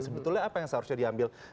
sebetulnya apa yang seharusnya diambil